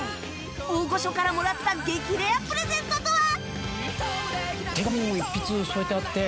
大御所からもらった激レアプレゼントとは！？